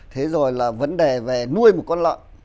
thế rồi là vấn đề về nuôi một con lợn